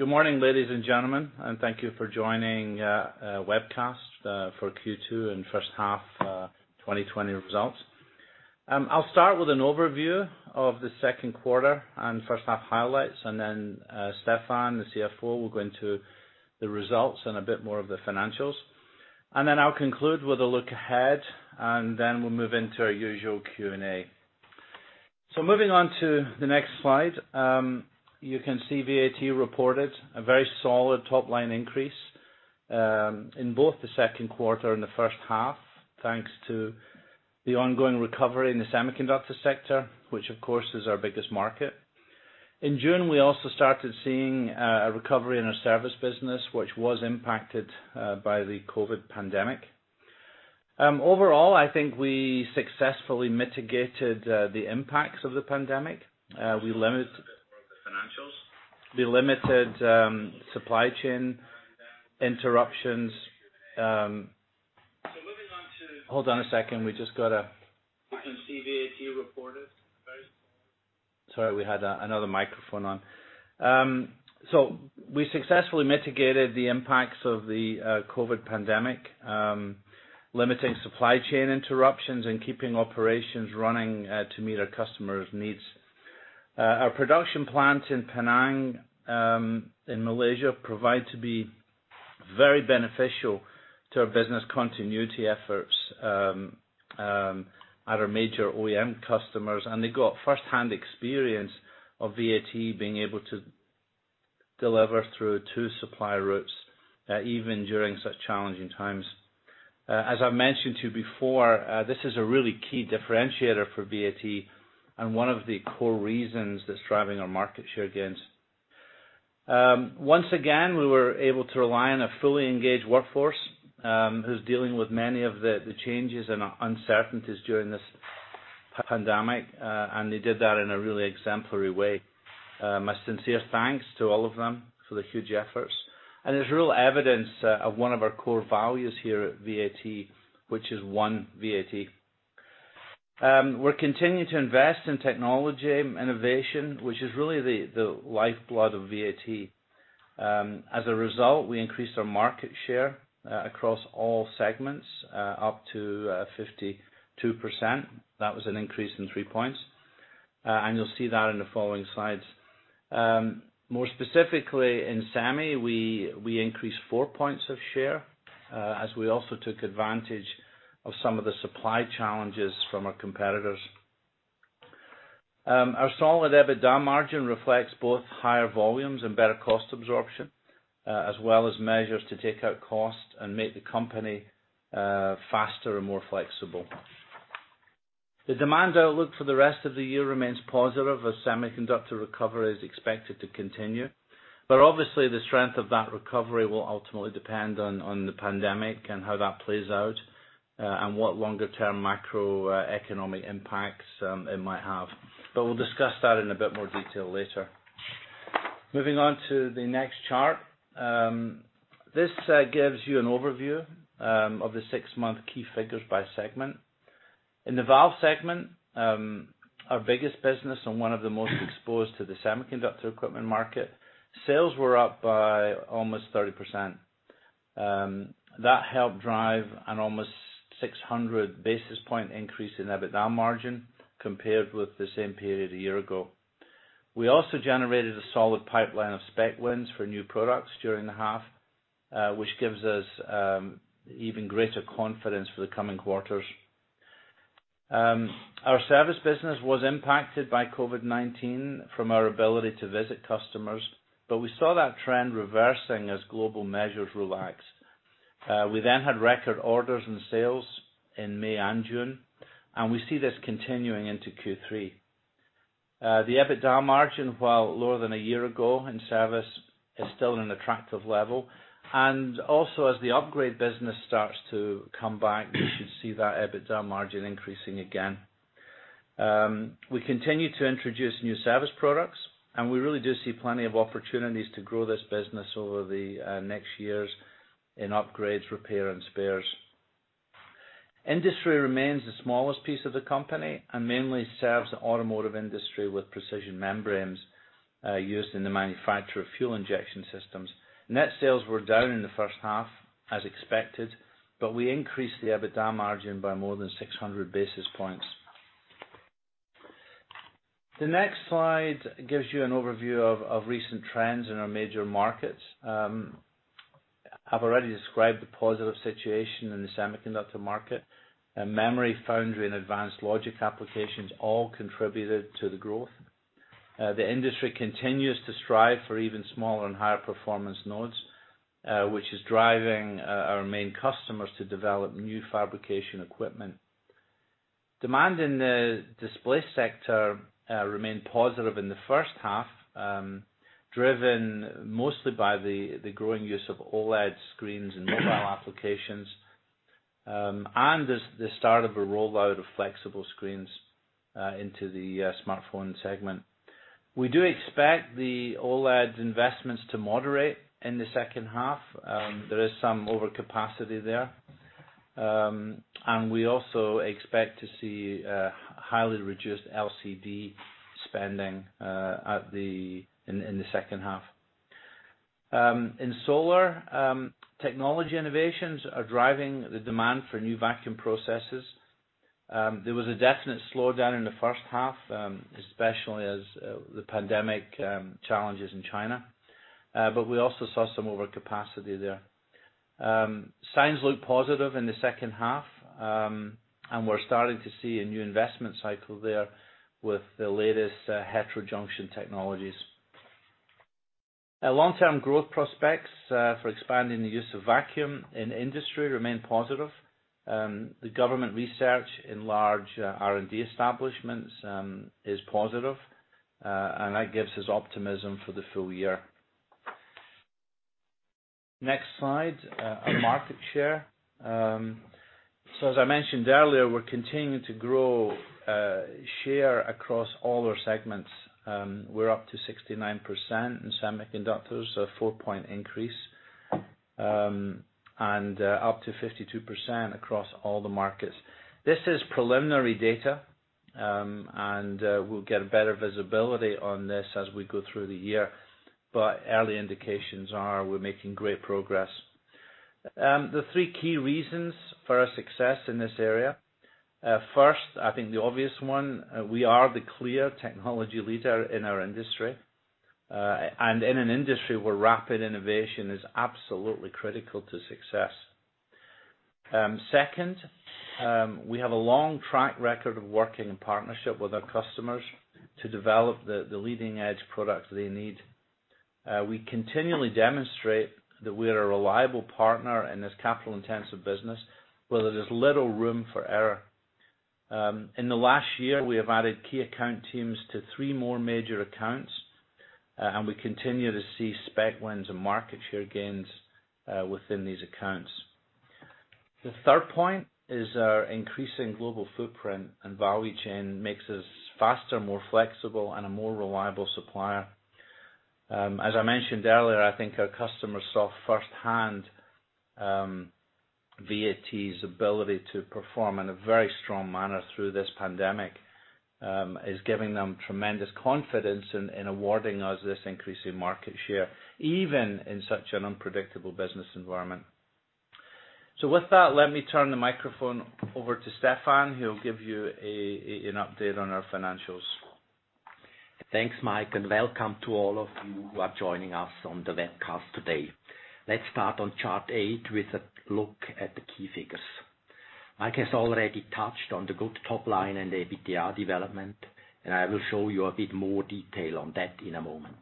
Good morning, ladies and gentlemen. thank you for joining webcast for Q2 and first half 2020 results. I'll start with an overview of the second-quarter and first-half highlights. Then Stephan, the CFO, will go into the results and a bit more of the financials. I'll conclude with a look ahead. Then we'll move into our usual Q&A. Moving on to the next slide, you can see VAT reported a very solid top-line increase in both the second quarter and the first half, thanks to the ongoing recovery in the semiconductor sector, which, of course, is our biggest market. In June, we also started seeing a recovery in our service business, which was impacted by the COVID pandemic. Overall, I think we successfully mitigated the impacts of the pandemic. We limited supply chain interruptions. Hold on a second. Sorry, we had another microphone on. We successfully mitigated the impacts of the COVID pandemic, limiting supply chain interruptions and keeping operations running to meet our customers' needs. Our production plant in Penang, in Malaysia, proved to be very beneficial to our business continuity efforts at our major OEM customers, and they got firsthand experience of VAT being able to deliver through two supply routes, even during such challenging times. As I mentioned to you before, this is a really key differentiator for VAT and one of the core reasons that's driving our market share gains. Once again, we were able to rely on a fully engaged workforce, who's dealing with many of the changes and uncertainties during this pandemic, and they did that in a really exemplary way. My sincere thanks to all of them for the huge efforts. There's real evidence of one of our core values here at VAT, which is One VAT. We're continuing to invest in technology innovation, which is really the lifeblood of VAT. As a result, we increased our market share across all segments up to 52%. That was an increase in three points. You'll see that in the following slides. More specifically, in Semi, we increased four points of share, as we also took advantage of some of the supply challenges from our competitors. Our solid EBITDA margin reflects both higher volumes and better cost absorption, as well as measures to take out cost and make the company faster and more flexible. The demand outlook for the rest of the year remains positive as semiconductor recovery is expected to continue. Obviously, the strength of that recovery will ultimately depend on the pandemic and how that plays out and what longer-term macroeconomic impacts it might have. We'll discuss that in a bit more detail later. Moving on to the next chart. This gives you an overview of the six-month key figures by segment. In the valve segment, our biggest business and one of the most exposed to the semiconductor equipment market, sales were up by almost 30%. That helped drive an almost 600 basis point increase in EBITDA margin compared with the same period a year ago. We also generated a solid pipeline of spec wins for new products during the half, which gives us even greater confidence for the coming quarters. Our service business was impacted by COVID-19 from our ability to visit customers, but we saw that trend reversing as global measures relaxed. We had record orders and sales in May and June. We see this continuing into Q3. The EBITDA margin, while lower than a year ago in service, is still an attractive level. Also, as the upgrade business starts to come back, we should see that EBITDA margin increasing again. We continue to introduce new service products. We really do see plenty of opportunities to grow this business over the next years in upgrades, repairs, and spares. Industry remains the smallest piece of the company and mainly serves the automotive industry with precision membranes used in the manufacture of fuel injection systems. Net sales were down in the first half, as expected. We increased the EBITDA margin by more than 600 basis points. The next slide gives you an overview of recent trends in our major markets. I've already described the positive situation in the semiconductor market. Memory, foundry, and advanced logic applications all contributed to the growth. The industry continues to strive for even smaller and higher performance nodes, which is driving our main customers to develop new fabrication equipment. Demand in the display sector remained positive in the first half, driven mostly by the growing use of OLED screens in mobile applications and the start of a rollout of flexible screens into the smartphone segment. We do expect the OLED investments to moderate in the second half. There is some overcapacity there. We also expect to see a highly reduced LCD spending in the second half. In solar, technology innovations are driving the demand for new vacuum processes. There was a definite slowdown in the first half, especially as the pandemic challenges in China. We also saw some overcapacity there. Signs look positive in the second half, and we're starting to see a new investment cycle there with the latest heterojunction technologies. Our long-term growth prospects for expanding the use of vacuum in industry remain positive. The government research in large R&D establishments is positive, and that gives us optimism for the full year. Next slide: our market share. As I mentioned earlier, we're continuing to grow share across all our segments. We're up to 69% in semiconductors, a four-point increase, and up to 52% across all the markets. This is preliminary data, and we'll get better visibility on this as we go through the year. Early indications are we're making great progress. The three key reasons for our success in this area. First, I think the obvious one: we are the clear technology leader in our industry, and in an industry where rapid innovation is absolutely critical to success. Second, we have a long track record of working in partnership with our customers to develop the leading-edge products they need. We continually demonstrate that we're a reliable partner in this capital-intensive business where there's little room for error. In the last year, we have added key account teams to three more major accounts, and we continue to see spec wins and market share gains within these accounts. The third point is our increasing global footprint and value chain make us faster, more flexible, and a more reliable supplier. As I mentioned earlier, I think our customers saw firsthand VAT's ability to perform in a very strong manner through this pandemic, is giving them tremendous confidence in awarding us this increase in market share, even in such an unpredictable business environment. With that, let me turn the microphone over to Stephan, who'll give you an update on our financials. Thanks, Mike, and welcome to all of you who are joining us on the webcast today. Let's start on chart eight with a look at the key figures. Mike has already touched on the good top-line and EBITDA development, and I will show you a bit more detail on that in a moment.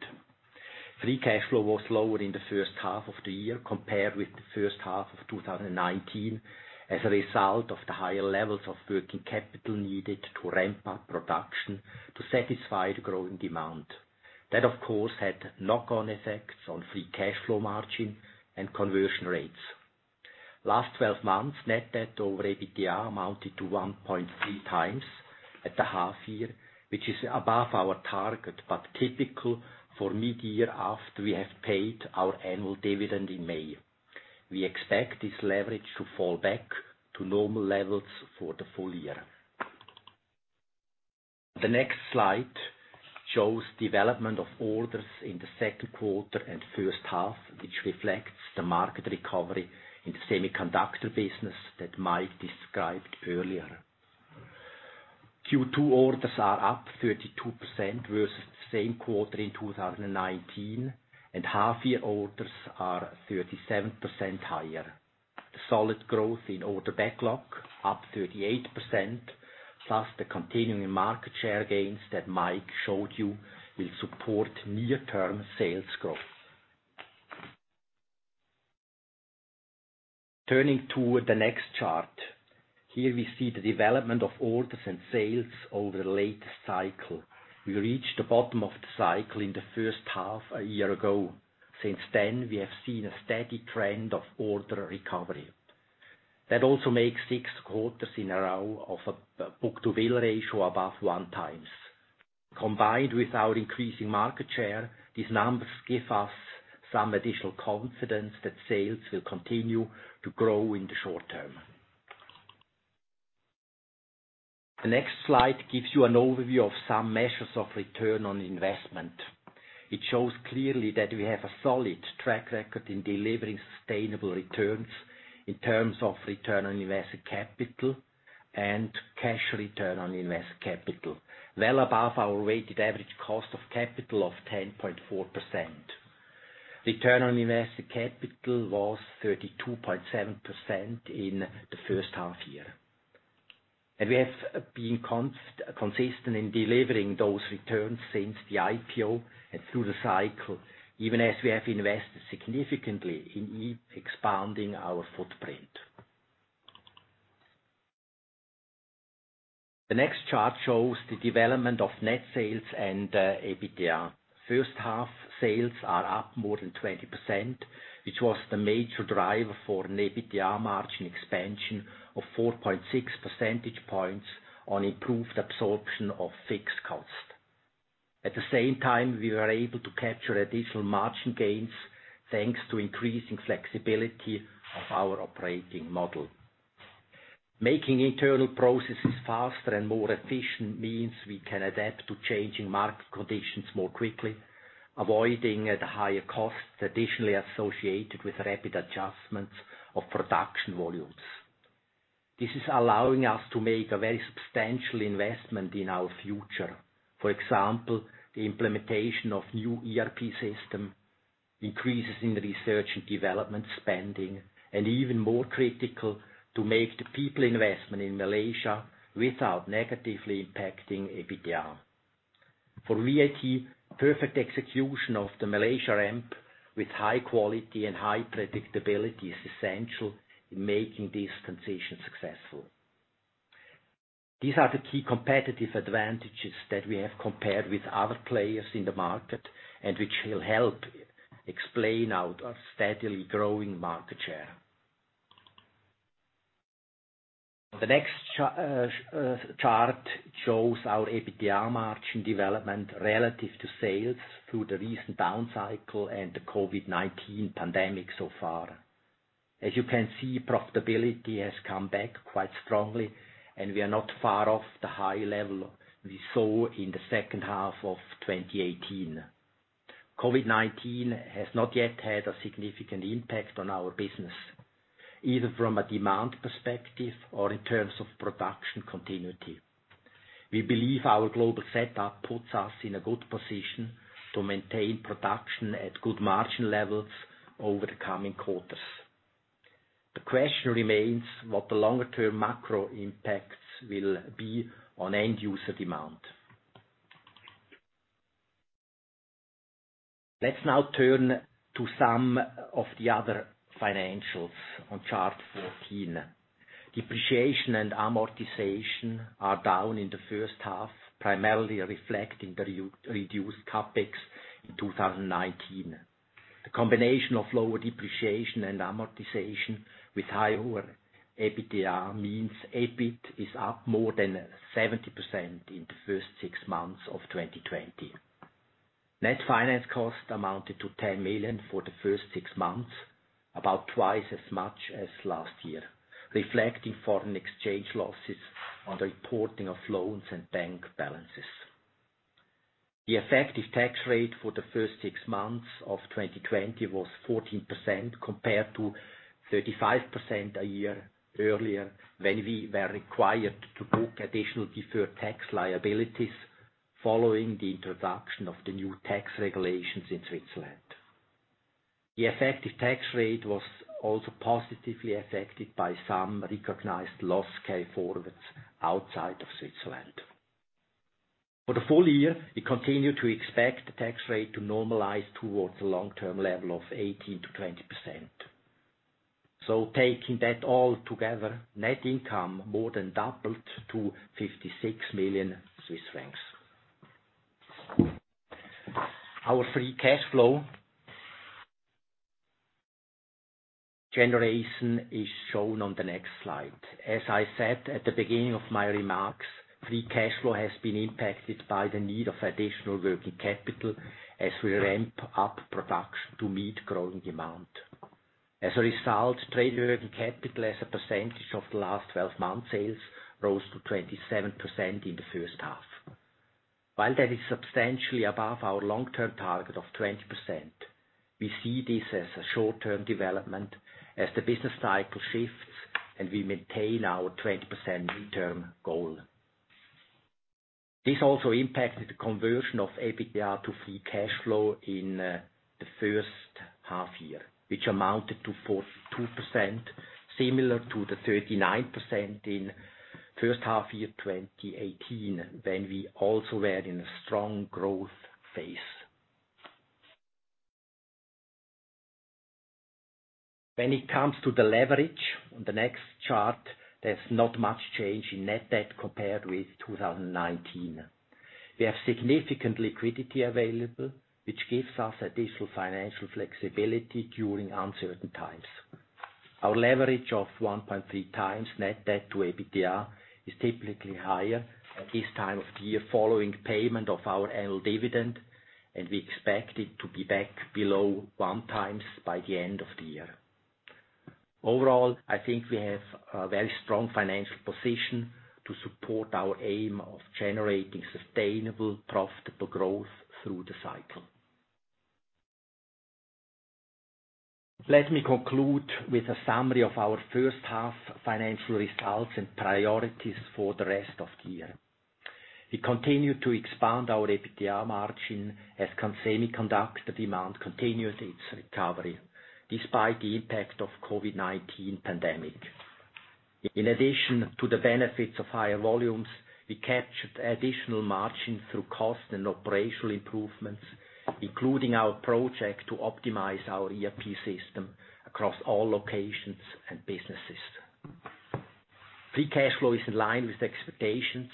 Free cash flow was lower in the first half of the year compared with the first half of 2019 as a result of the higher levels of working capital needed to ramp up production to satisfy the growing demand. That, of course, had knock-on effects on free cash flow margin and conversion rates. Last 12 months, net debt over EBITDA amounted to 1.3 times at the half-year, which is above our target but typical for mid-year after we have paid our annual dividend in May. We expect this leverage to fall back to normal levels for the full year. The next slide shows development of orders in the second quarter and first half, which reflects the market recovery in the semiconductor business that Mike described earlier. Q2 orders are up 32% versus the same quarter in 2019, and half-year orders are 37% higher. The solid growth in order backlog, up 38%, plus the continuing market share gains that Mike showed you, will support near-term sales growth. Turning to the next chart. Here we see the development of orders and sales over the latest cycle. We reached the bottom of the cycle in the first half a year ago. Since then, we have seen a steady trend of order recovery. That also makes six quarters in a row of a book-to-bill ratio above one time. Combined with our increasing market share, these numbers give us some additional confidence that sales will continue to grow in the short term. The next slide gives you an overview of some measures of return on investment. It shows clearly that we have a solid track record in delivering sustainable returns in terms of return on invested capital and cash return on invested capital, well above our weighted average cost of capital of 10.4%. Return on invested capital was 32.7% in the first half-year. We have been consistent in delivering those returns since the IPO and through the cycle, even as we have invested significantly in expanding our footprint. The next chart shows the development of net sales and EBITDA. First half sales are up more than 20%, which was the major driver for an EBITDA margin expansion of 4.6 percentage points on improved absorption of fixed costs. At the same time, we were able to capture additional margin gains thanks to increasing flexibility of our operating model. Making internal processes faster and more efficient means we can adapt to changing market conditions more quickly, avoiding the higher costs additionally associated with rapid adjustments of production volumes. This is allowing us to make a very substantial investment in our future. For example, the implementation of new ERP system, increases in research and development spending, and even more critical to make the people investment in Malaysia without negatively impacting EBITDA. For VAT, perfect execution of the Malaysia ramp with high quality and high predictability is essential in making this transition successful. These are the key competitive advantages that we have compared with other players in the market, and which will help explain our steadily growing market share. The next chart shows our EBITDA margin development relative to sales through the recent down cycle and the COVID-19 pandemic so far. As you can see, profitability has come back quite strongly, and we are not far off the high level we saw in the second half of 2018. COVID-19 has not yet had a significant impact on our business, either from a demand perspective or in terms of production continuity. We believe our global setup puts us in a good position to maintain production at good margin levels over the coming quarters. The question remains what the longer-term macro impacts will be on end user demand. Let's now turn to some of the other financials on chart 14. Depreciation and amortization are down in the first half, primarily reflecting the reduced CapEx in 2019. The combination of lower depreciation and amortization with higher EBITDA means EBIT is up more than 70% in the first six months of 2020. Net finance cost amounted to 10 million for the first six months, about twice as much as last year, reflecting foreign exchange losses on the reporting of loans and bank balances. The effective tax rate for the first six months of 2020 was 14%, compared to 35% a year earlier, when we were required to book additional deferred tax liabilities following the introduction of the new tax regulations in Switzerland. The effective tax rate was also positively affected by some recognized loss carryforwards outside of Switzerland. For the full year, we continue to expect the tax rate to normalize towards the long-term level of 18%-20%. Taking that all together, net income more than doubled to 56 million Swiss francs. Our free cash flow generation is shown on the next slide. As I said at the beginning of my remarks, free cash flow has been impacted by the need of additional working capital as we ramp up production to meet growing demand. As a result, trade working capital as a percentage of the last 12-month sales rose to 27% in the first half. While that is substantially above our long-term target of 20%, we see this as a short-term development as the business cycle shifts, and we maintain our 20% midterm goal. This also impacted the conversion of EBITDA to free cash flow in the first half-year, which amounted to 42%, similar to the 39% in first half-year of 2018, when we also were in a strong growth phase. When it comes to the leverage, on the next chart, there's not much change in net debt compared with 2019. We have significant liquidity available, which gives us additional financial flexibility during uncertain times. Our leverage of 1.3 times net debt to EBITDA is typically higher at this time of the year following payment of our annual dividend, and we expect it to be back below one time by the end of the year. Overall, I think we have a very strong financial position to support our aim of generating sustainable, profitable growth through the cycle. Let me conclude with a summary of our first-half financial results and priorities for the rest of the year. We continue to expand our EBITDA margin as semiconductor demand continues its recovery, despite the impact of COVID-19 pandemic. In addition to the benefits of higher volumes, we captured additional margin through cost and operational improvements, including our project to optimize our ERP system across all locations and businesses. Free cash flow is in line with expectations,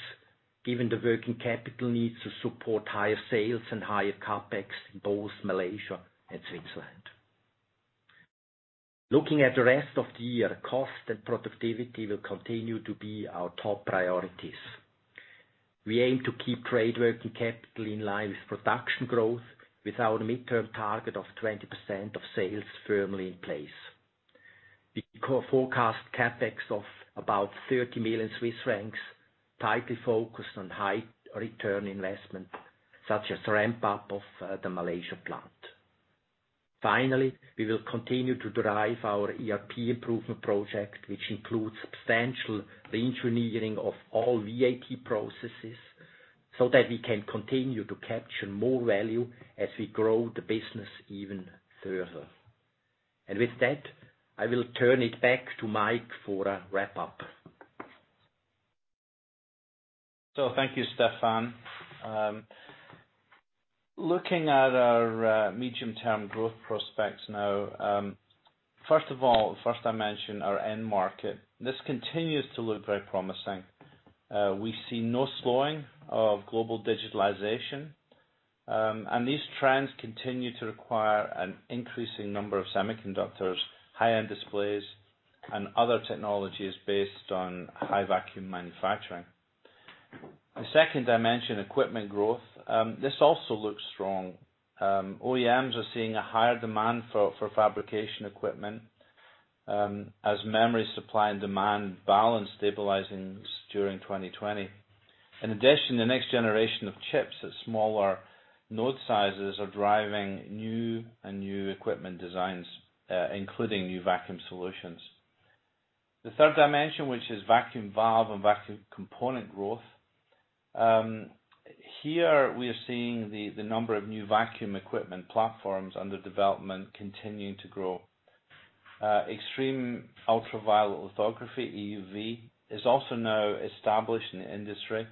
given the working capital needs to support higher sales and higher CapEx in both Malaysia and Switzerland. Looking at the rest of the year, cost and productivity will continue to be our top priorities. We aim to keep trade working capital in line with production growth with our midterm target of 20% of sales firmly in place. We forecast CapEx of about 30 million Swiss francs, tightly focused on high-return investment, such as ramp-up of the Malaysia plant. Finally, we will continue to drive our ERP improvement project, which includes substantial re-engineering of all VAT processes, so that we can continue to capture more value as we grow the business even further. With that, I will turn it back to Mike for a wrap-up. Thank you, Stephan. Looking at our medium-term growth prospects now. First of all, I mention our end market. This continues to look very promising. We see no slowing of global digitalization, and these trends continue to require an increasing number of semiconductors, high-end displays, and other technologies based on high vacuum manufacturing. The second dimension, equipment growth. This also looks strong. OEMs are seeing a higher demand for fabrication equipment as memory supply and demand balance stabilizing during 2020. In addition, the next generation of chips at smaller node sizes are driving new equipment designs, including new vacuum solutions. The third dimension, which is vacuum valve and vacuum component growth. Here, we are seeing the number of new vacuum equipment platforms under development continuing to grow. Extreme ultraviolet lithography, EUV, is also now established in the industry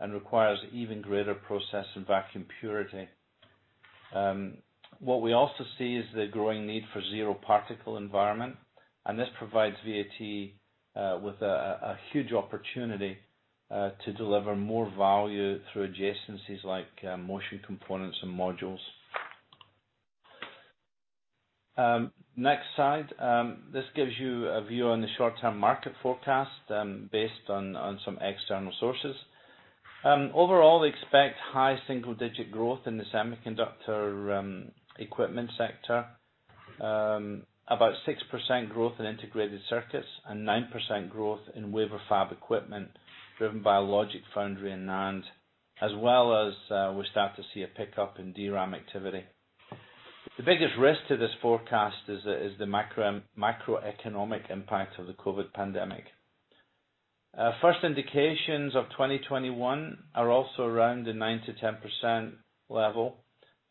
and requires even greater process and vacuum purity. What we also see is the growing need for zero-particle environment. This provides VAT with a huge opportunity to deliver more value through adjacencies like motion components and modules. Next slide. This gives you a view on the short-term market forecast based on some external sources. Overall, we expect high single-digit growth in the semiconductor equipment sector. About 6% growth in integrated circuits and 9% growth in wafer fab equipment, driven by logic foundry and NAND, as well as we start to see a pickup in DRAM activity. The biggest risk to this forecast is the macroeconomic impact of the COVID pandemic. First indications of 2021 are also around the 9% to 10% level.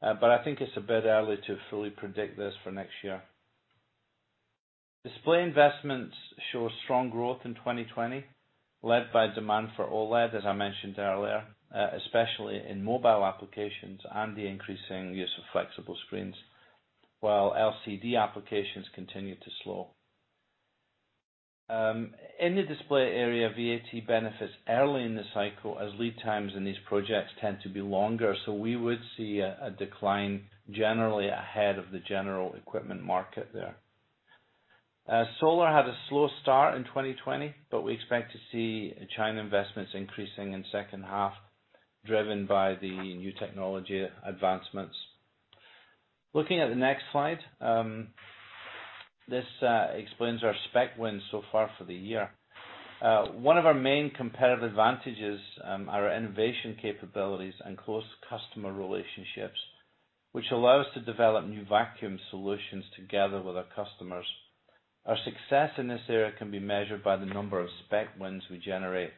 I think it's a bit early to fully predict this for next year. Display investments show strong growth in 2020, led by demand for OLED, as I mentioned earlier, especially in mobile applications and the increasing use of flexible screens, while LCD applications continue to slow. In the display area, VAT benefits early in the cycle, as lead times in these projects tend to be longer. We would see a decline generally ahead of the general equipment market there. Solar had a slow start in 2020; we expect to see China investments increasing in the second half, driven by the new technology advancements. Looking at the next slide, this explains our spec wins so far for the year. One of our main competitive advantages are our innovation capabilities and close customer relationships, which allow us to develop new vacuum solutions together with our customers. Our success in this area can be measured by the number of spec wins we generate.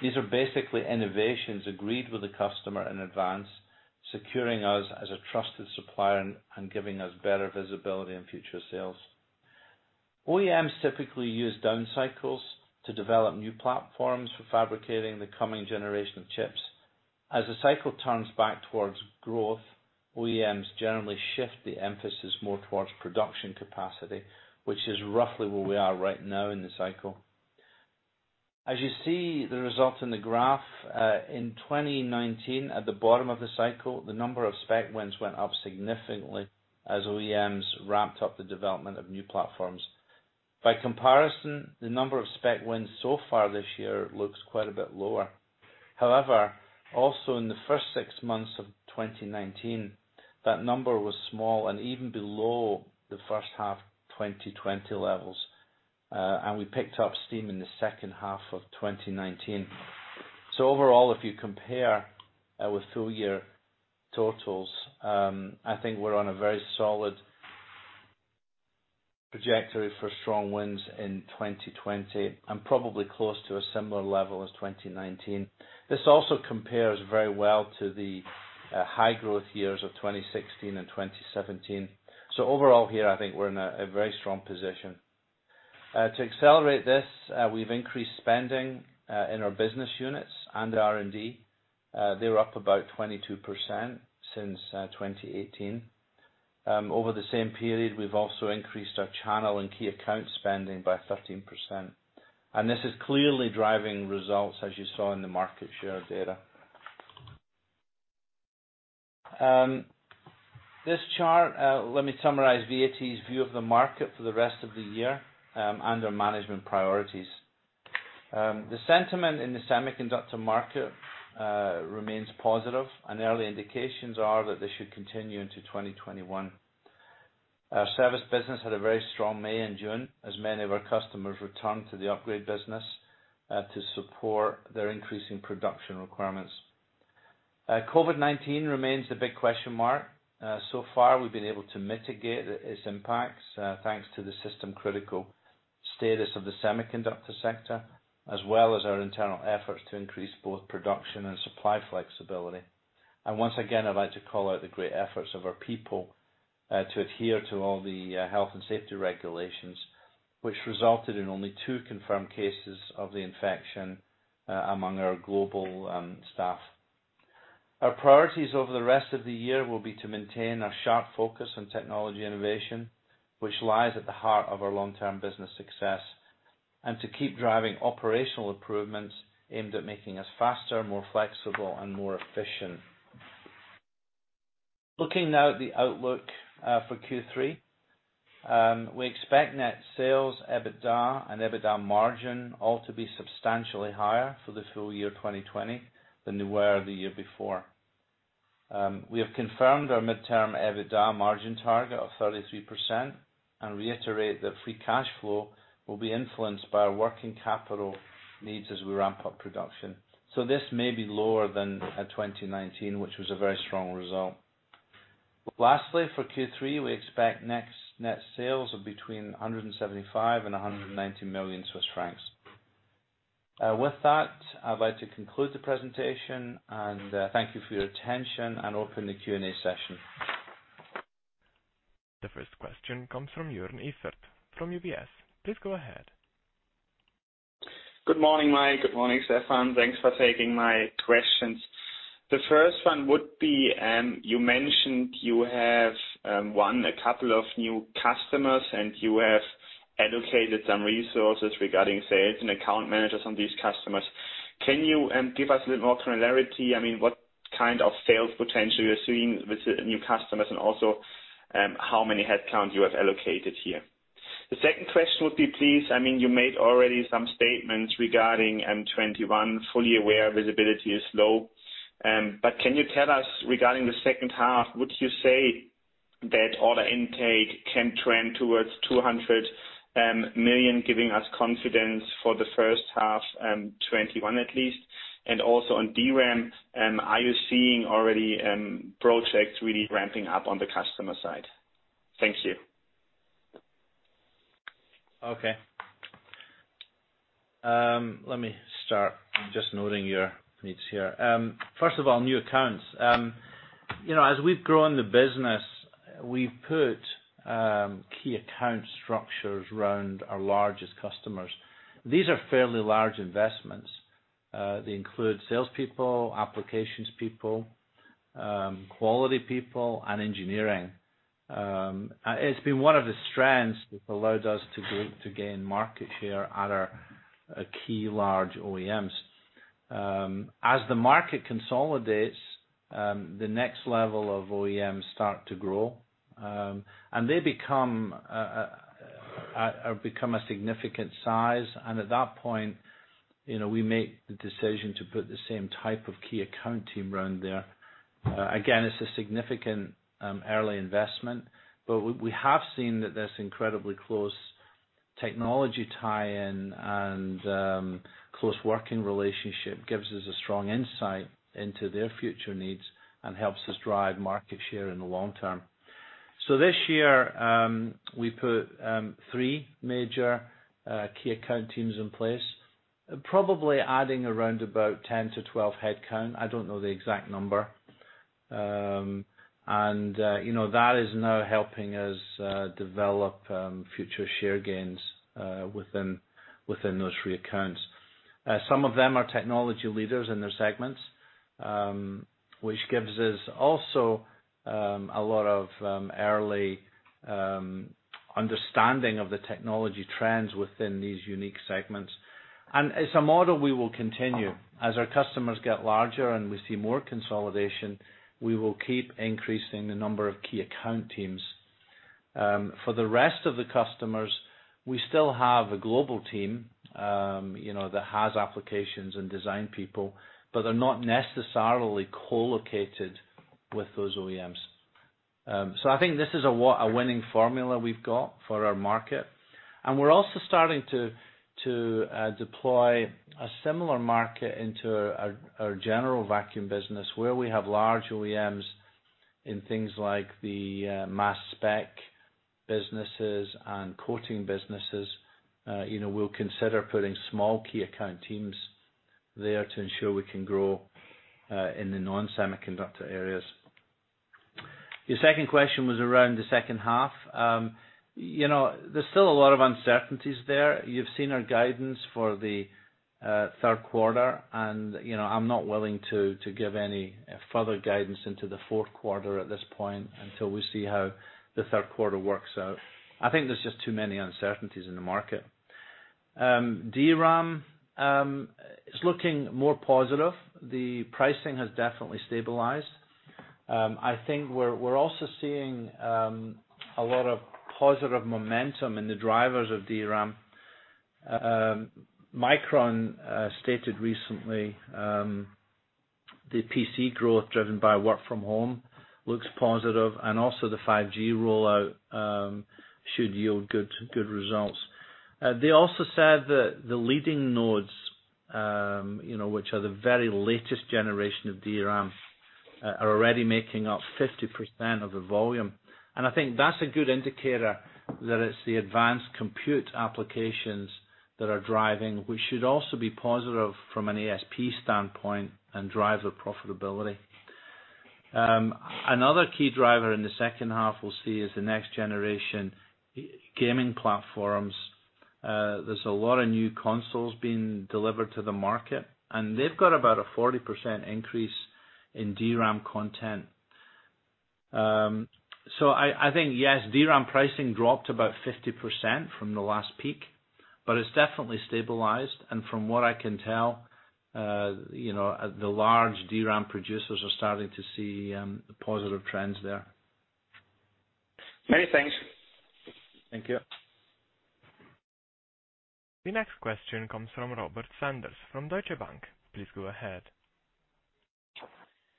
These are basically innovations agreed with the customer in advance, securing us as a trusted supplier and giving us better visibility in future sales. OEMs typically use down cycles to develop new platforms for fabricating the coming generation of chips. As the cycle turns back towards growth, OEMs generally shift the emphasis more towards production capacity, which is roughly where we are right now in the cycle. As you see the results in the graph, in 2019, at the bottom of the cycle, the number of spec wins went up significantly as OEMs ramped up the development of new platforms. By comparison, the number of spec wins so far this year looks quite a bit lower. Also, in the first six months of 2019, that number was small and even below the first half 2020 levels. We picked up steam in the second half of 2019. Overall, if you compare with full-year totals, I think we're on a very solid trajectory for strong wins in 2020 and probably close to a similar level as 2019. This also compares very well to the high-growth years of 2016 and 2017. Overall here, I think we're in a very strong position. To accelerate this, we've increased spending in our business units and R&D. They're up about 22% since 2018. Over the same period, we've also increased our channel and key account spending by 13%. This is clearly driving results as you saw in the market share data. This chart, let me summarize VAT's view of the market for the rest of the year and our management priorities. The sentiment in the semiconductor market remains positive, and early indications are that this should continue into 2021. Our service business had a very strong May and June, as many of our customers returned to the upgrade business to support their increasing production requirements. COVID-19 remains the big question mark. Far, we've been able to mitigate its impacts, thanks to the system-critical status of the semiconductor sector, as well as our internal efforts to increase both production and supply flexibility. Once again, I'd like to call out the great efforts of our people to adhere to all the health and safety regulations, which resulted in only two confirmed cases of the infection among our global staff. Our priorities over the rest of the year will be to maintain our sharp focus on technology innovation, which lies at the heart of our long-term business success, and to keep driving operational improvements aimed at making us faster, more flexible, and more efficient. Looking now at the outlook for Q3, we expect net sales, EBITDA, and EBITDA margin all to be substantially higher for the full year 2020 than they were the year before. We have confirmed our midterm EBITDA margin target of 33% and reiterate that free cash flow will be influenced by our working capital needs as we ramp up production. This may be lower than at 2019, which was a very strong result. Lastly, for Q3, we expect next net sales of between 175 million and 190 million Swiss francs. With that, I'd like to conclude the presentation and thank you for your attention and open the Q&A session. The first question comes from Jörn Iffert from UBS. Please go ahead. Good morning, Mike. Good morning, Stephan. Thanks for taking my questions. The first one would be you mentioned you have won a couple of new customers, and you have allocated some resources regarding sales and account managers on these customers. Can you give us a little more clarity? What kind of sales potential you're seeing with the new customers, and also, how many headcounts you have allocated here? The second question would be, please, you made already some statements regarding M21; fully aware visibility is low. Can you tell us regarding the second half, would you say that order intake can trend towards 200 million, giving us confidence for the first half, M21 at least? Also, on DRAM, are you seeing already projects really ramping up on the customer side? Thank you. Let me start. I'm just noting your needs here. First of all, new accounts. As we've grown the business, we've put key account structures around our largest customers. These are fairly large investments. They include salespeople, applications people, quality people, and engineering. It's been one of the strengths that's allowed us to gain market share at our key large OEMs. As the market consolidates, the next level of OEMs starts to grow; they become a significant size. At that point, we make the decision to put the same type of key account team around there. Again, it's a significant early investment; we have seen that this incredibly close technology tie-in and close working relationship gives us a strong insight into their future needs and helps us drive market share in the long term. This year, we put three major key account teams in place, probably adding around about 10-12 headcounts. I don't know the exact number. That is now helping us develop future share gains within those three accounts. Some of them are technology leaders in their segments, which gives us also a lot of early understanding of the technology trends within these unique segments. It's a model we will continue. As our customers get larger and we see more consolidation, we will keep increasing the number of key account teams. For the rest of the customers, we still have a global team that has applications and design people, but they're not necessarily co-located with those OEMs. I think this is a winning formula we've got for our market. We're also starting to deploy a similar market into our general vacuum business, where we have large OEMs in things like the mass spec businesses and coating businesses. We'll consider putting small key account teams there to ensure we can grow in the non-semiconductor areas. Your second question was around the second half. There's still a lot of uncertainties there. You've seen our guidance for the third quarter, and I'm not willing to give any further guidance into the fourth quarter at this point until we see how the third quarter works out. I think there's just too many uncertainties in the market. DRAM is looking more positive. The pricing has definitely stabilized. I think we're also seeing a lot of positive momentum in the drivers of DRAM. Micron stated recently, the PC growth driven by work from home looks positive and also the 5G rollout should yield good results. They also said that the leading nodes, which are the very latest generation of DRAM, are already making up 50% of the volume. I think that's a good indicator that it's the advanced compute applications that are driving, which should also be positive from an ASP standpoint and driver profitability. Another key driver in the second half we'll see is the next generation gaming platforms. There's a lot of new consoles being delivered to the market, and they've got about a 40% increase in DRAM content. I think, yes, DRAM pricing dropped about 50% from the last peak, but it's definitely stabilized, and from what I can tell, the large DRAM producers are starting to see positive trends there. Many thanks. Thank you. The next question comes from Robert Sanders from Deutsche Bank. Please go ahead.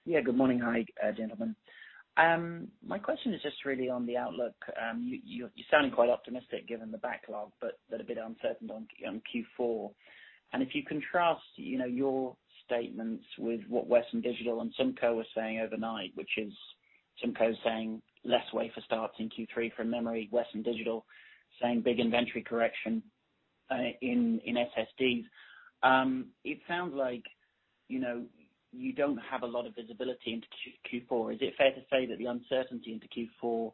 Yeah, good morning. Hi, gentlemen. My question is just really on the outlook. You're sounding quite optimistic given the backlog but a bit uncertain on Q4. If you contrast your statements with what Western Digital and Simco were saying overnight, which is Simco saying less wafer starts in Q3 from memory, Western Digital saying big inventory correction in SSDs. It sounds like you don't have a lot of visibility into Q4. Is it fair to say that the uncertainty into Q4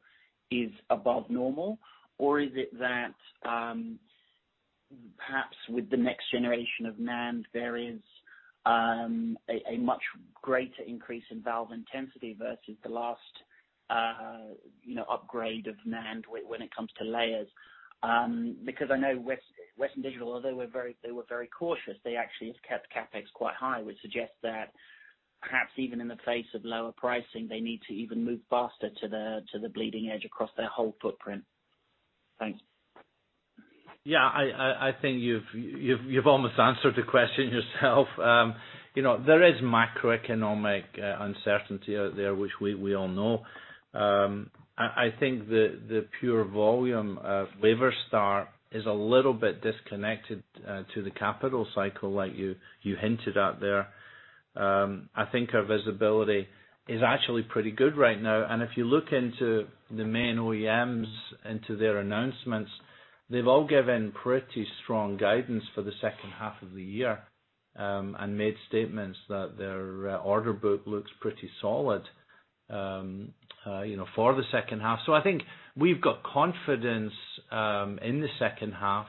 is above normal? Or is it that, perhaps with the next generation of NAND, there is a much greater increase in valve intensity versus the last upgrade of NAND when it comes to layers? I know Western Digital, although they were very cautious, they actually have kept CapEx quite high, which suggests that perhaps even in the face of lower pricing, they need to even move faster to the bleeding edge across their whole footprint. Thanks. Yeah, I think you've almost answered the question yourself. There is macroeconomic uncertainty out there, which we all know. I think the pure volume of wafer start is a little bit disconnected to the capital cycle, like you hinted at there. I think our visibility is actually pretty good right now. If you look into the main OEMs, into their announcements, they've all given pretty strong guidance for the second half of the year and made statements that their order book looks pretty solid for the second half. I think we've got confidence in the second half.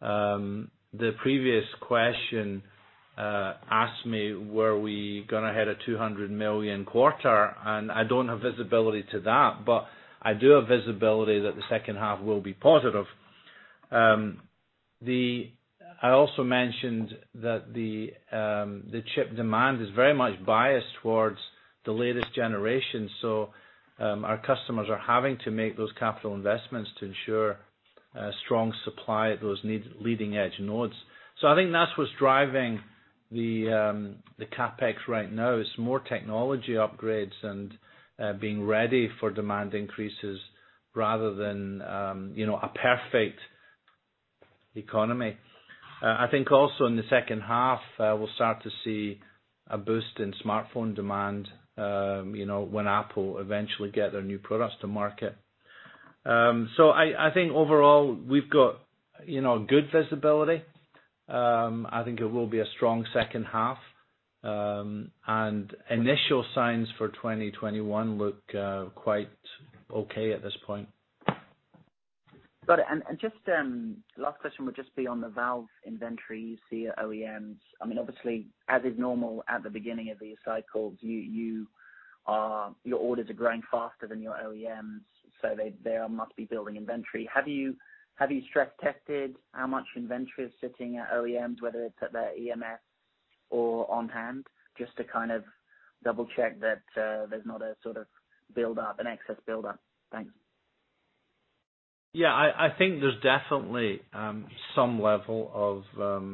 The previous question asked me, were we going to hit a 200 million quarter, and I don't have visibility to that, but I do have visibility that the second half will be positive. I also mentioned that the chip demand is very much biased towards the latest generation, so our customers are having to make those capital investments to ensure a strong supply at those leading-edge nodes. I think that's what's driving the CapEx right now. It's more technology upgrades and being ready for demand increases rather than a perfect economy. I think also in the second half, we'll start to see a boost in smartphone demand when Apple eventually gets their new products to market. I think overall, we've got good visibility. I think it will be a strong second half, and initial signs for 2021 look quite okay at this point. Got it. Just last question would just be on the valve inventory you see at OEMs. Obviously, as is normal at the beginning of these cycles, your orders are growing faster than your OEMs, so they must be building inventory. Have you stress-tested how much inventory is sitting at OEMs, whether it's at their ERP or on-hand, just to kind of double-check that there's not a sort of buildup, an excess buildup? Thanks. Yeah, I think there's definitely some level of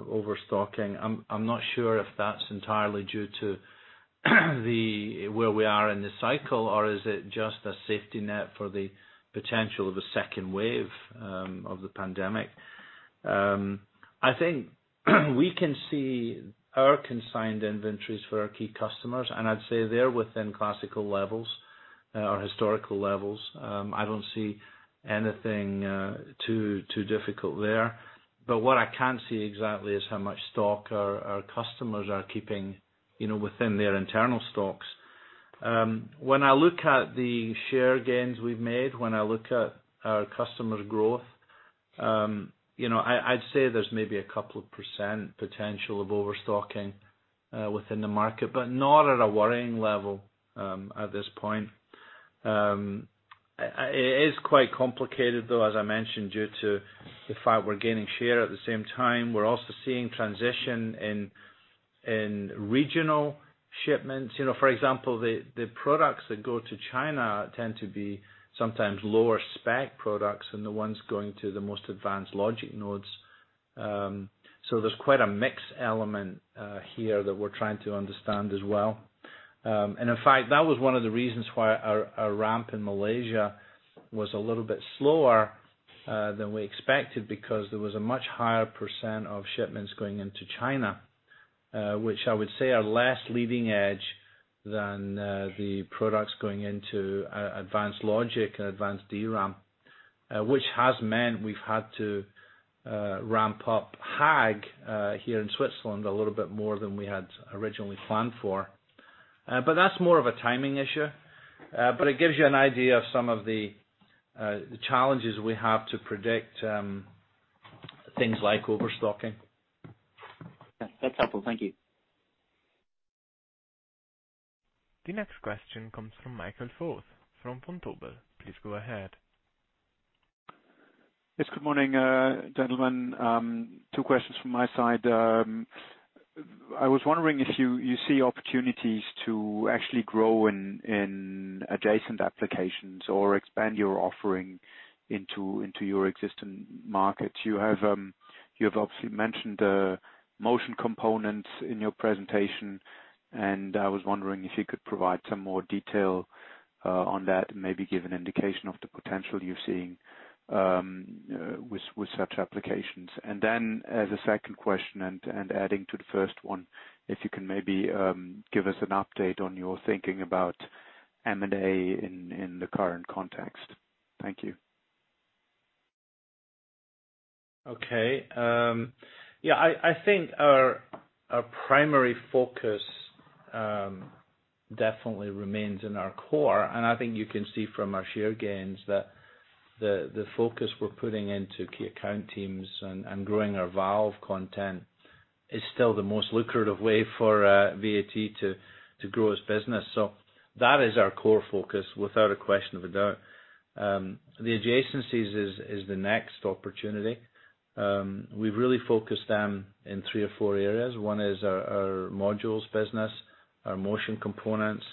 overstocking. I'm not sure if that's entirely due to where we are in the cycle, or is it just a safety net for the potential of a second wave of the pandemic. I think we can see our consigned inventories for our key customers, and I'd say they're within classical levels or historical levels. I don't see anything too difficult there. What I can't see exactly is how much stock our customers are keeping within their internal stocks. When I look at the share gains we've made, when I look at our customer growth, I'd say there's maybe a couple of percent potential of overstocking within the market, but not at a worrying level at this point. It is quite complicated, though, as I mentioned, due to the fact we're gaining share at the same time. We're also seeing transition in regional shipments. For example, the products that go to China tend to be sometimes lower-spec products than the ones going to the most advanced logic nodes. There's quite a mix element here that we're trying to understand as well. In fact, that was one of the reasons why our ramp in Malaysia was a little bit slower than we expected because there was a much higher percent of shipments going into China, which I would say are less leading edge than the products going into advanced logic and advanced DRAM, which has meant we've had to ramp up Haag here in Switzerland a little bit more than we had originally planned for. That's more of a timing issue. It gives you an idea of some of the challenges we have to predict things like overstocking. That's helpful. Thank you. The next question comes from Michael Foeth, from Vontobel. Please go ahead. Yes. Good morning, gentlemen. Two questions from my side. I was wondering if you see opportunities to actually grow in adjacent applications or expand your offering into your existing markets. You have obviously mentioned the motion components in your presentation, and I was wondering if you could provide some more detail on that and maybe give an indication of the potential you're seeing with such applications. As a second question and adding to the first one, if you can maybe give us an update on your thinking about M&A in the current context Thank you. Okay. Yeah, I think our primary focus definitely remains in our core. I think you can see from our share gains that the focus we're putting into key account teams and growing our valve content is still the most lucrative way for VAT to grow its business. That is our core focus without a question of a doubt. The adjacencies is the next opportunity. We've really focused them in three or four areas. One is our modules business, our motion components.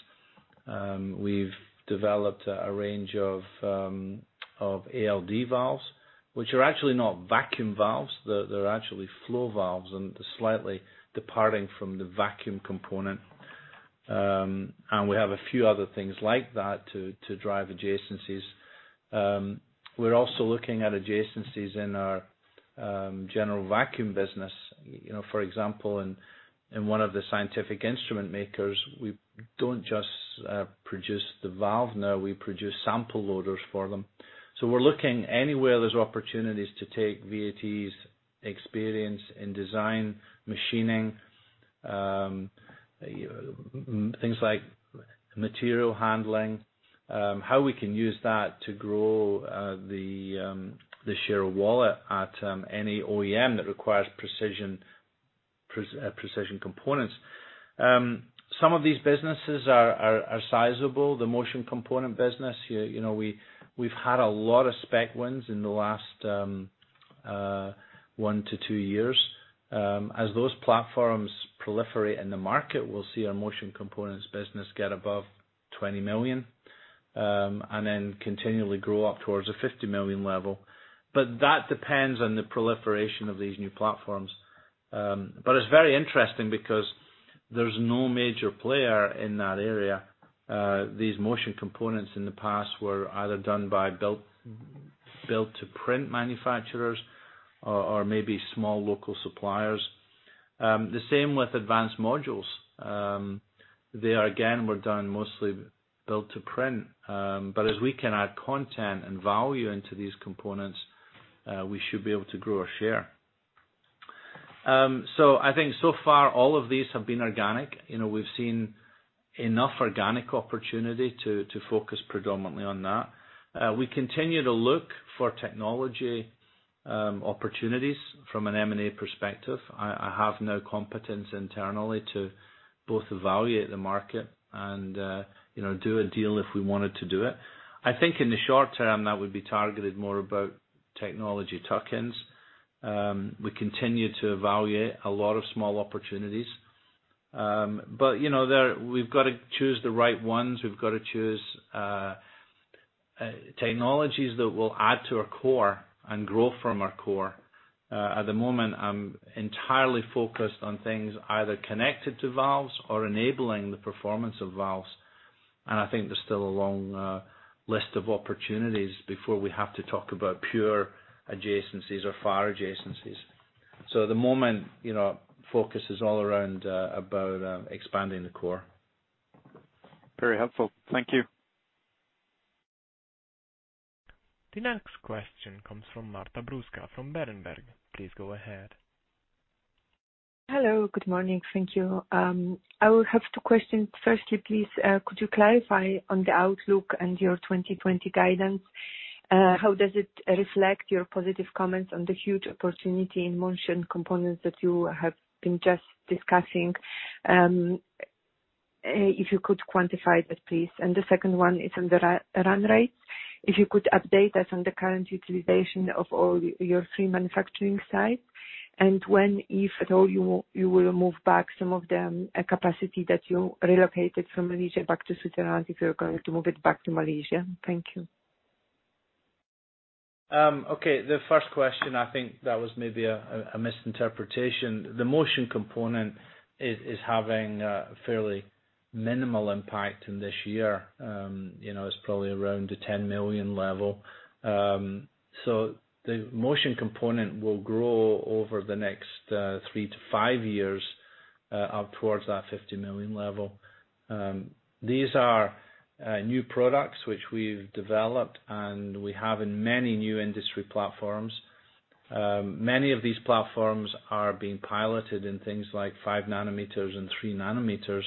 We've developed a range of ALD valves, which are actually not vacuum valves. They're actually flow valves and slightly departing from the vacuum component. We have a few other things like that to drive adjacencies. We're also looking at adjacencies in our general vacuum business. For example, in one of the scientific instrument makers, we don't just produce the valve now; we produce sample loaders for them. We're looking anywhere there's opportunities to take VAT's experience in design, machining, things like material handling, how we can use that to grow the share of wallet at any OEM that requires precision components. Some of these businesses are sizable. The motion components business, we've had a lot of spec wins in the last one to two years. As those platforms proliferate in the market, we'll see our motion components business get above 20 million and then continually grow up towards a 50 million level. That depends on the proliferation of these new platforms. It's very interesting because there's no major player in that area. These motion components in the past were either done by build-to-print manufacturers or maybe small local suppliers. The same with advanced modules. They, again, were done mostly build to print. As we can add content and value into these components, we should be able to grow our share. I think so far all of these have been organic. We've seen enough organic opportunity to focus predominantly on that. We continue to look for technology opportunities from an M&A perspective. I have now competence internally to both evaluate the market and do a deal if we wanted to do it. I think in the short term, that would be targeted more about technology tuck-ins. We continue to evaluate a lot of small opportunities. We've got to choose the right ones. We've got to choose technologies that will add to our core and grow from our core. At the moment, I'm entirely focused on things either connected to valves or enabling the performance of valves. I think there's still a long list of opportunities before we have to talk about pure adjacencies or far adjacencies. At the moment, focus is all around about expanding the core. Very helpful. Thank you. The next question comes from Marta Bruska from Berenberg. Please go ahead. Hello. Good morning. Thank you. I have two questions. Firstly, please, could you clarify on the outlook and your 2020 guidance? How does it reflect your positive comments on the huge opportunity in motion components that you have been just discussing? If you could quantify that, please. The second one is on the run rates. If you could update us on the current utilization of all your three manufacturing sites and when, if at all, you will move back some of the capacity that you relocated from Malaysia back to Switzerland, if you're going to move it back to Malaysia. Thank you. The first question: I think that was maybe a misinterpretation. The motion component is having a fairly minimal impact in this year. It's probably around the 10 million level. The motion component will grow over the next three to five years, up towards that 50 million level. These are new products which we've developed, and we have in many new industry platforms. Many of these platforms are being piloted in things like five nanometers and three nanometers.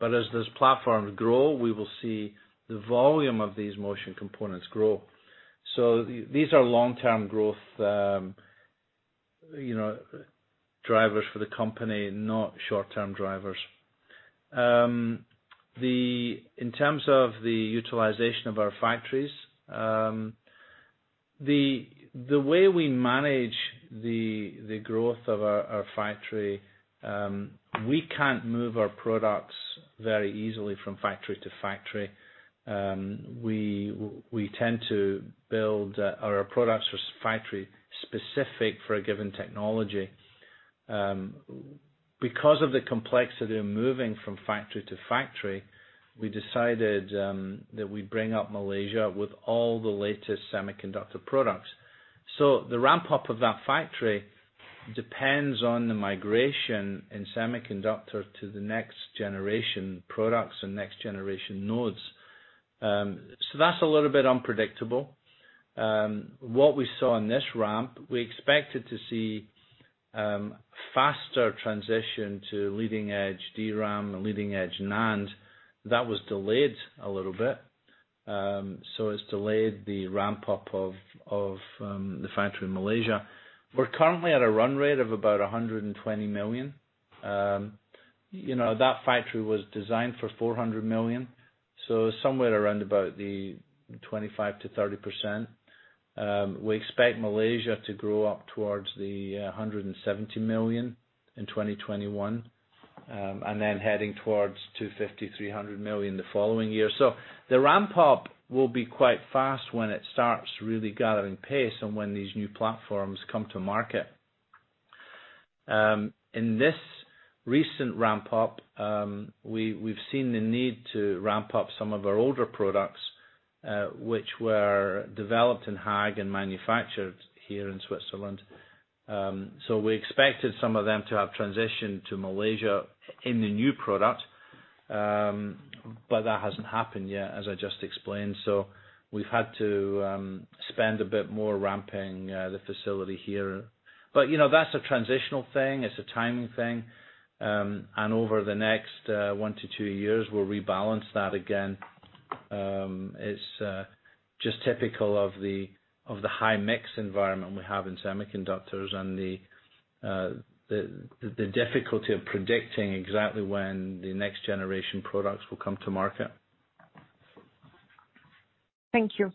As those platforms grow, we will see the volume of these motion components grow. These are long-term growth drivers for the company, not short-term drivers. In terms of the utilization of our factories, the way we manage the growth of our factory, we can't move our products very easily from factory to factory. We tend to build our products for factory-specific for a given technology. Because of the complexity of moving from factory to factory, we decided that we'd bring up Malaysia with all the latest semiconductor products. The ramp-up of that factory depends on the migration in semiconductor to the next-generation products and next-generation nodes. That's a little bit unpredictable. What we saw in this ramp, we expected to see faster transition to leading-edge DRAM and leading-edge NAND. That was delayed a little bit. It's delayed the ramp-up of the factory in Malaysia. We're currently at a run rate of about 120 million. That factory was designed for 400 million, so somewhere around about the 25%-30%. We expect Malaysia to grow up towards the 170 million in 2021, and then heading towards 250 million, 300 million the following year. The ramp-up will be quite fast when it starts really gathering pace and when these new platforms come to market. In this recent ramp-up, we've seen the need to ramp up some of our older products, which were developed in Haag and manufactured here in Switzerland. We expected some of them to have transitioned to Malaysia in the new product. That hasn't happened yet, as I just explained. We've had to spend a bit more ramping the facility here. That's a transitional thing. It's a timing thing. Over the next one to two years, we'll rebalance that again. It's just typical of the high-mix environment we have in semiconductors and the difficulty of predicting exactly when the next-generation products will come to market. Thank you.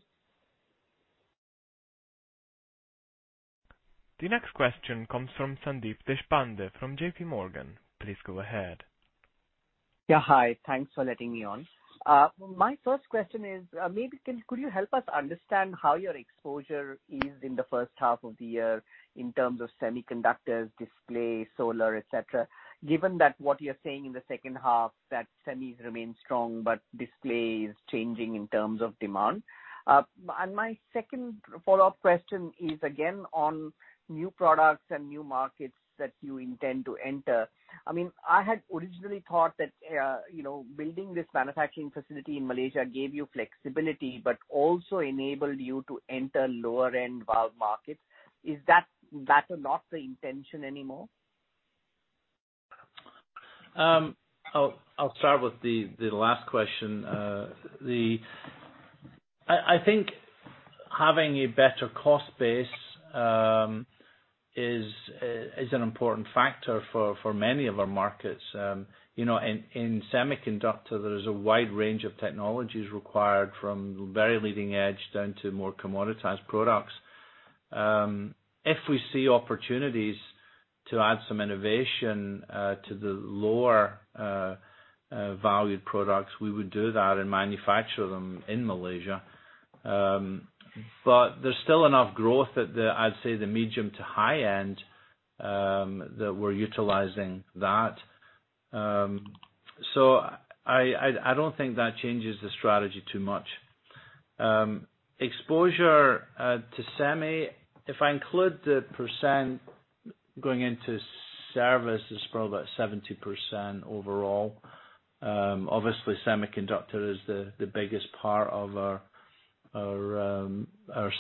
The next question comes from Sandeep Deshpande from JPMorgan. Please go ahead. Yeah. Hi. Thanks for letting me on. My first question is, maybe could you help us understand how your exposure is in the first half of the year in terms of semiconductors, display, solar, et cetera, given that what you're saying in the second half, that semis remain strong, but display is changing in terms of demand? My second follow-up question is, again, on new products and new markets that you intend to enter. I had originally thought that building this manufacturing facility in Malaysia gave you flexibility but also enabled you to enter lower-end valve markets. Is that not the intention anymore? I'll start with the last question. I think having a better cost base is an important factor for many of our markets. In semiconductors, there is a wide range of technologies required, from very leading edge down to more commoditized products. If we see opportunities to add some innovation to the lower-valued products, we would do that and manufacture them in Malaysia. There's still enough growth at the, I'd say, the medium to high end that we're utilizing that. I don't think that changes the strategy too much. Exposure to semi, if I include the percent going into services, it's probably about 70% overall. Obviously, semiconductor is the biggest part of our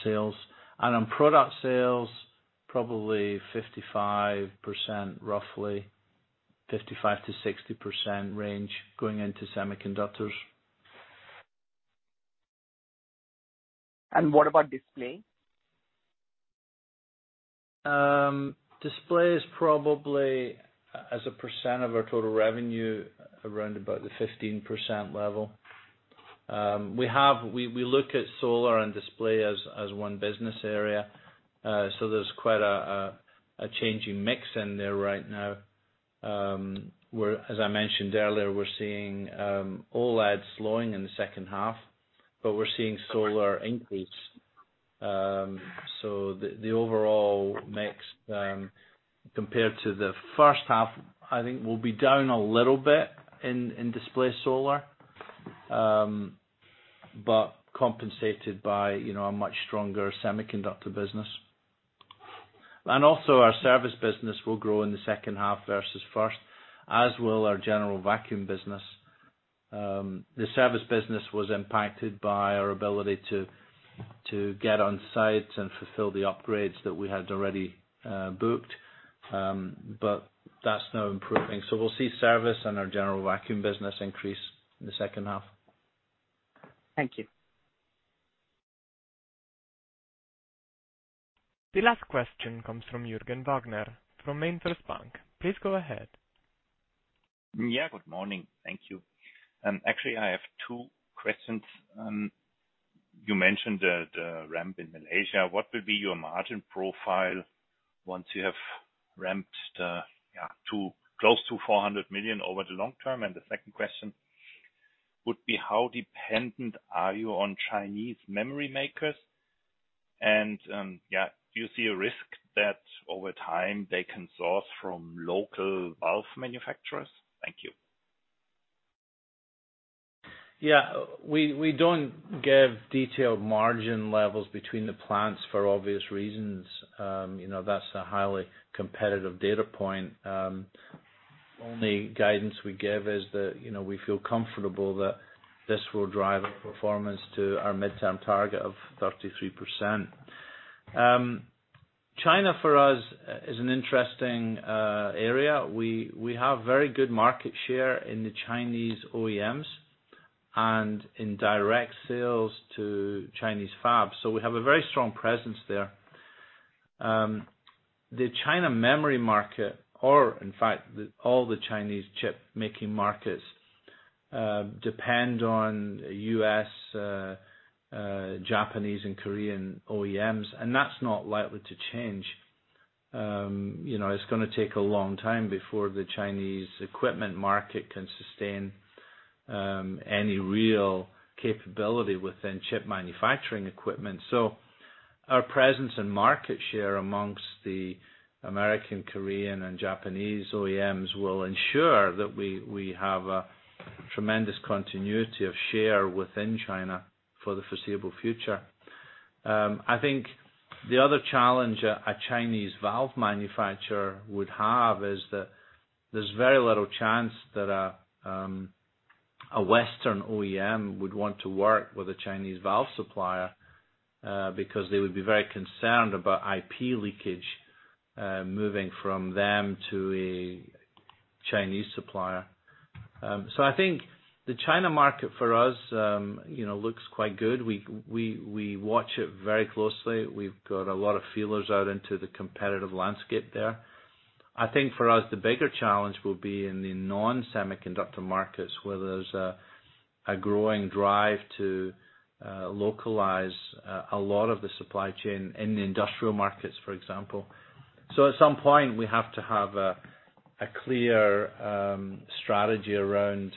sales. On product sales, probably 55% roughly 55%-60% range going into semiconductors. What about display? Display is probably, as a percent of our total revenue, around about the 15% level. We look at solar and displays as one business area. There's quite a changing mix in there right now, where, as I mentioned earlier, we're seeing OLED slowing in the second half, but we're seeing solar increase. The overall mix, compared to the first half, I think will be down a little bit in display solar but compensated by a much stronger semiconductor business. Also, our service business will grow in the second half versus the first, as will our general vacuum business. The service business was impacted by our ability to get on site and fulfill the upgrades that we had already booked. That's now improving. We'll see service and our general vacuum business increase in the second half. Thank you. The last question comes from Jürgen Wagner from MainFirst Bank. Please go ahead. Yeah, good morning. Thank you. Actually, I have two questions. You mentioned the ramp in Malaysia. What will be your margin profile once you have ramped close to 400 million over the long term? The second question would be, how dependent are you on Chinese memory makers? Do you see a risk that over time they can source from local valve manufacturers? Thank you. Yeah. We don't give detailed margin levels between the plants for obvious reasons. That's a highly competitive data point. Only guidance we give is that we feel comfortable that this will drive our performance to our midterm target of 33%. China, for us, is an interesting area. We have very good market share in the Chinese OEMs and in direct sales to Chinese fabs. We have a very strong presence there. The China memory market, or in fact, all the Chinese chip-making markets, depend on U.S., Japanese, and Korean OEMs. That's not likely to change. It's going to take a long time before the Chinese equipment market can sustain any real capability within chip manufacturing equipment. Our presence and market share amongst the American, Korean, and Japanese OEMs will ensure that we have a tremendous continuity of share within China for the foreseeable future. I think the other challenge a Chinese valve manufacturer would have is that there's very little chance that a Western OEM would want to work with a Chinese valve supplier because they would be very concerned about IP leakage moving from them to a Chinese supplier. I think the China market, for us, looks quite good. We watch it very closely. We've got a lot of feelers out into the competitive landscape there. I think for us, the bigger challenge will be in the non-semiconductor markets, where there's a growing drive to localize a lot of the supply chain in the industrial markets, for example. At some point, we have to have a clear strategy around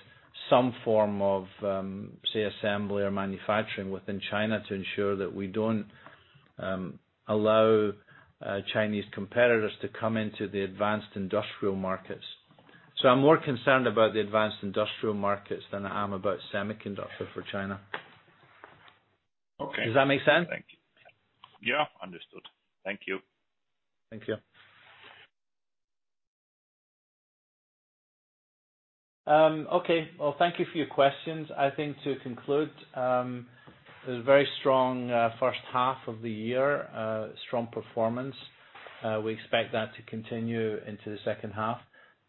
some form of, say, assembly or manufacturing within China to ensure that we don't allow Chinese competitors to come into the advanced industrial markets. I'm more concerned about the advanced industrial markets than I am about semiconductor for China. Okay. Does that make sense? Thank you. Yeah, understood. Thank you. Thank you. Okay, well, thank you for your questions. I think to conclude, it was a very strong first half of the year, strong performance. We expect that to continue into the second half.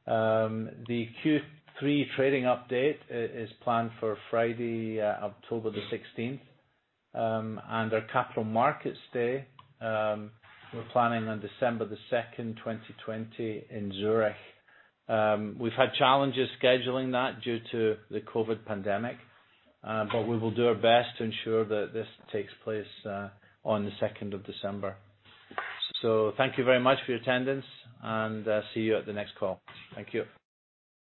The Q3 trading update is planned for Friday, October the 16th. Our Capital Markets Day, we're planning on December 2nd, 2020 in Zurich. We've had challenges scheduling that due to the COVID-19 pandemic. We will do our best to ensure that this takes place on the 2nd of December. Thank you very much for your attendance, and see you at the next call. Thank you.